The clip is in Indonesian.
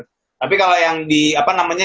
tapi kalau yang di apa namanya